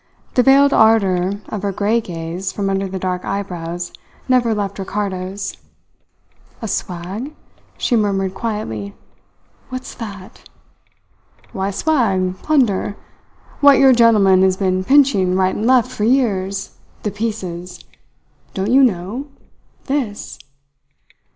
The veiled ardour of her grey gaze from under the dark eyebrows never left Ricardo's. "A swag?" she murmured quietly. "What's that?" "Why, swag, plunder what your gentleman has been pinching right and left for years the pieces. Don't you know? This!"